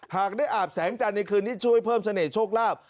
หากได้อาบแสงจันทร์ในคืนนี้ช่วยเพิ่มเสน่หลาบ